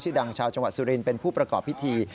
ดังชาวจังหวัดสุรินทร์เป็นผู้ประกอบพิธี